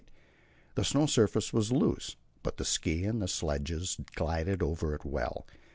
The snow surface was loose, but ski and sledges glided over it well.